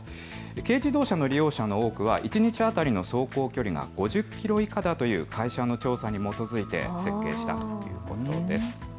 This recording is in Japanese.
軽自動車の利用の多くは一日当たりの走行距離が５０キロ以下だという会社の調査に基づいて設計したということです。